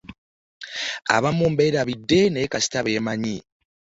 Abamu mbeerabidde naye kasita beemanyi.